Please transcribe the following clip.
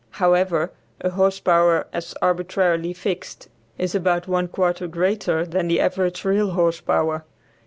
However, a horse power as arbitrarily fixed is about one quarter greater than the average real horse power.